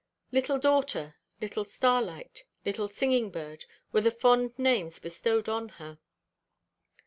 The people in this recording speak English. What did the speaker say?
"Little daughter," "Little Starlight," "Little Singing bird," were the fond names bestowed on her.